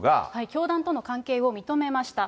教団との関係を認めました。